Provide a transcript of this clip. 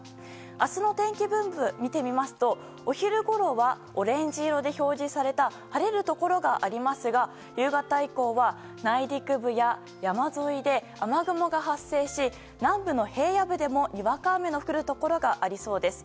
明日の天気分布を見てみますとお昼ごろはオレンジ色で表示された晴れるところがありますが夕方以降は、内陸部や山沿いで雨雲が発生し南部の平野部でもにわか雨の降るところがありそうです。